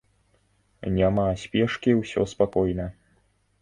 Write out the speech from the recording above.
Няма спешкі ўсё спакойна.